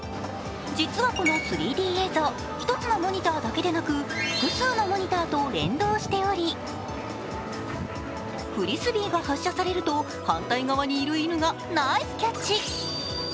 実はこの３Ｄ映像、１つのモニターだけでなく複数のモニターと連動しておりフリスビーが発射されると反対側にいる犬がナイスキャッチ。